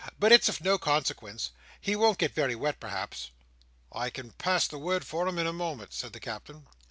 "But it's of no consequence; he won't get very wet, perhaps." "I can pass the word for him in a moment," said the Captain.